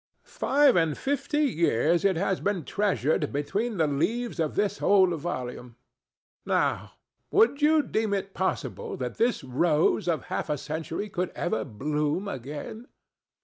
Five and fifty years it has been treasured between the leaves of this old volume. Now, would you deem it possible that this rose of half a century could ever bloom again?"